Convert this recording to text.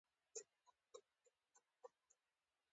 فعلي ترکیب ساده او مرکب ډولونه لري.